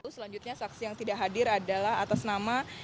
selanjutnya saksi yang tidak hadir adalah atas nama